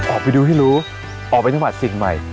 ออกไปดูให้รู้ออกไปจังหวัดสิ่งใหม่